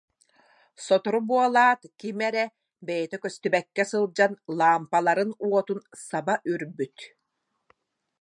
Сотору буолаат, ким эрэ, бэйэтэ көстүбэккэ сылдьан, лаампаларын уотун саба үрбүт